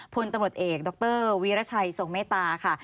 พลตำรวจเอกดรวีรชัยทรงเมตตาค่ะ